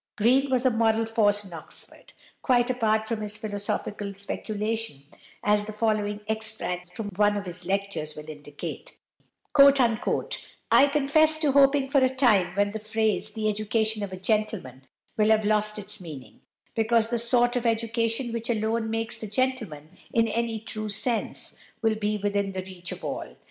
Green was a moral force in Oxford, quite apart from his philosophical speculation, as the following extract from one of his lectures will indicate: "I confess to hoping for a time when the phrase, 'the education of a gentleman,' will have lost its meaning, because the sort of education which alone makes the gentleman in any true sense will be within the reach of all.